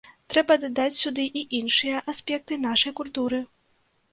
Трэба дадаць сюды і іншыя аспекты нашай культуры.